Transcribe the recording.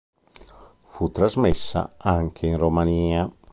Fu trasmessa anche in Romania.